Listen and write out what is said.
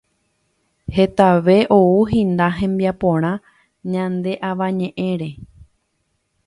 Hetave ouhína hembiaporã ñane Avañeʼẽre.